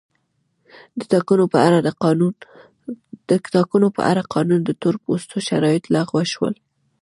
د ټاکنو په اړه قانون د تور پوستو شرایط لغوه شول.